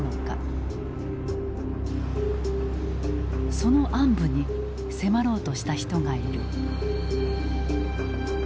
その暗部に迫ろうとした人がいる。